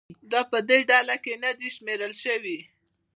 دا په دې ډله کې نه دي شمېرل شوي